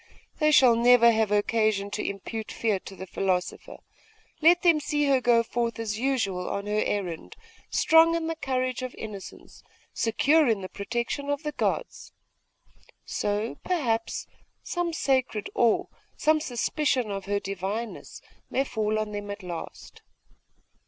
They shall never have occasion to impute fear to the philosopher. Let them see her go forth as usual on her errand, strong in the courage of innocence, secure in the protection of the gods. So, perhaps, some sacred awe, some suspicion of her divineness, may fall on them at last.